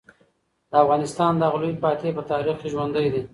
د افغانستان دغه لوی فاتح په تاریخ کې ژوندی دی.